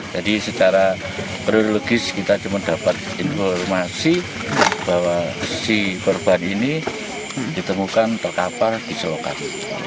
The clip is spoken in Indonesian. jadi secara neurologis kita cuma dapat informasi bahwa si korban ini ditemukan terkapal di selokan